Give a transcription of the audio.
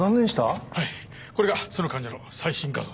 これがその患者の最新画像です。